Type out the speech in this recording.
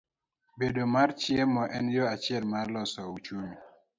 Bedo mar chiemo, en yo achiel mar loso uchumi.